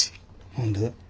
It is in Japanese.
何で？